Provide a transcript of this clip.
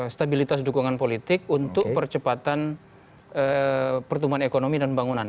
stabilitas dukungan politik untuk percepatan pertumbuhan ekonomi dan bangunan